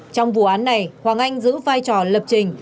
trong vụ án này hoàng anh giữ vai trò lập trình